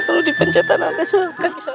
kau dipencet dan kaki terkilir